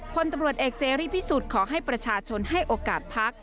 พลตำรวจเอกเสรีพิสุทธิ์ขอให้ประชาชนให้โอกาสพัก